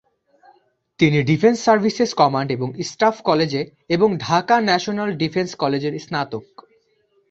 তিনি defence services command এবং staff কলেজে এবং ঢাকা ন্যাশনাল ডিফেন্স কলেজের স্নাতক।